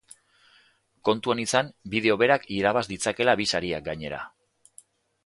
Kontuan izan bideo berak irabaz ditzakeela bi sariak gainera.